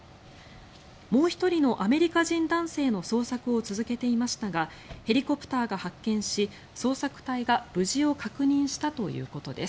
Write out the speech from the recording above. もう１人のアメリカ人男性の捜索を続けていましたがヘリコプターが発見し、捜索隊が無事を確認したということです。